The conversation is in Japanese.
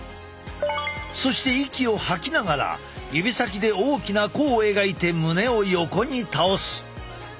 そして息を吐きながら指先で大きな弧を描いて胸を横に倒す。